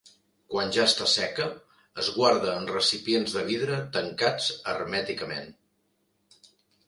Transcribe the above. Quan ja està seca, es guarda en recipients de vidre tancats hermèticament.